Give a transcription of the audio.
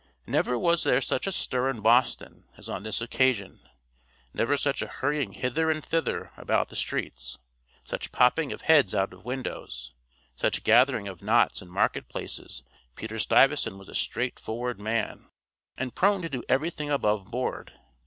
Never was there such a stir in Boston as on this occasion; never such a hurrying hither and thither about the streets; such popping of heads out of windows; such gathering of knots in market places Peter Stuyvesant was a straightforward man, and prone to do everything above board.